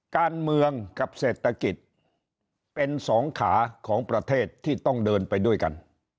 การเมืองกับเศรษฐกิจเป็นสองขาของประเทศที่ต้องเดินไปด้วยกัน